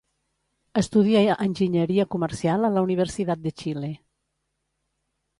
Estudia enginyeria comercial a la Universidad de Chile.